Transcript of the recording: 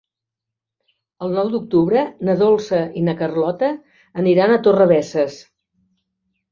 El nou d'octubre na Dolça i na Carlota aniran a Torrebesses.